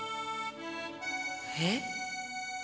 えっ？